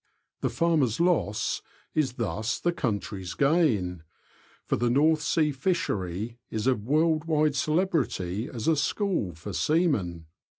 The farmers' loss is thus the country's gain, for the North Sea fishery is of world wide celebrity as a school for seamen.